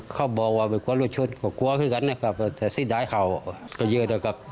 เขาบอกว่าเป็นกว้ารุ่นชุดก็กลัวขึ้นกันนะครับแต่สิ้นดายเขาก็เยอะเลยครับ